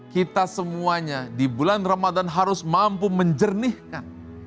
kita semuanya di bulan ramadan harus mampu menjernihkan